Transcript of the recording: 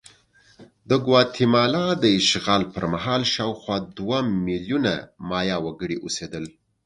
د ګواتیمالا د اشغال پر مهال شاوخوا دوه میلیونه مایا وګړي اوسېدل.